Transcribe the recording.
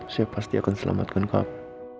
saya pasti akan selamatkan kamu